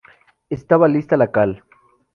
Estaba lista la cal.